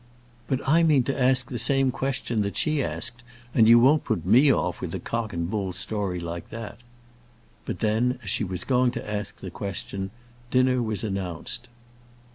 "But I mean to ask the same question that she asked, and you won't put me off with a cock and bull story like that." But then, as she was going to ask the question, dinner was announced.